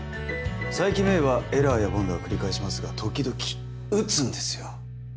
佐伯芽依はエラーや凡打を繰り返しますが時々打つんですよ。